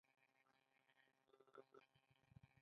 آیا ډاکټران یې ډیر مسلکي نه دي؟